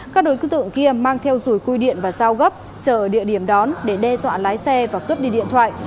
các đối tượng kia mang theo rủi cui điện và giao gấp chờ ở địa điểm đón để đe dọa lái xe và cướp đi điện thoại